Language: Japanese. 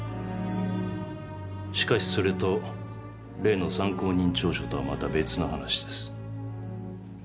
しかしそれと例の参考人調書とはまた別の話です。